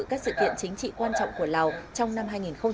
các sự kiện chính trị quan trọng của lào trong năm hai nghìn hai mươi